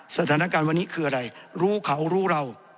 สถานการณ์วันนี้คืออะไรรู้เขารู้เรา